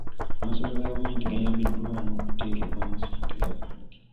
Amasomero ga gavumenti gayambibwa n'okuteekebwamu ssente gavumenti.